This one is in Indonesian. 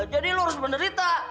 jadi lu harus menderita